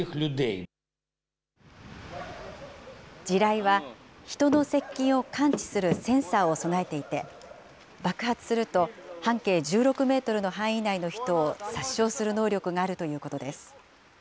地雷は人の接近を感知するセンサーを備えていて、爆発すると、半径１６メートルの範囲内の人を殺傷する能力があるということです。